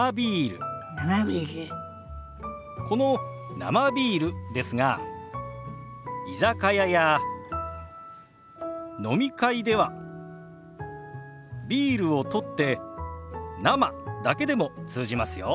この「生ビール」ですが居酒屋や飲み会では「ビール」を取って「生」だけでも通じますよ。